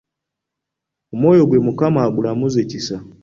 Omwoyo gwe Omukama agulamuze kisa!